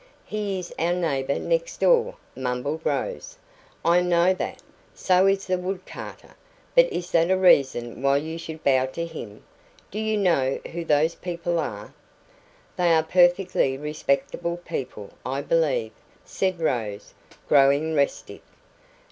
"He is our neighbour next door," mumbled Rose. "I know that. So is the wood carter. But is that a reason why you should bow to him? Do you know who those people are?" "They are perfectly respectable people, I believe," said Rose, growing restive.